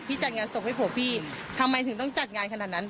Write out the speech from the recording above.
จัดงานศพให้ผัวพี่ทำไมถึงต้องจัดงานขนาดนั้น